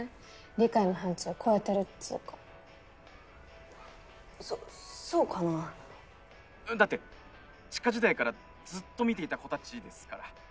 理解の範疇超えてるっつうかそそうかなテレビ「だって地下時代からずっと見ていた子たちですから」